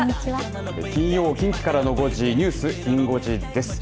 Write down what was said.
金曜、近畿からの５時ニュースきん５時です。